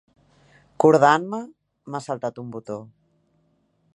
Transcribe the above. Cordant-me, m'ha saltat un botó.